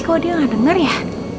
kau dia gak denger ya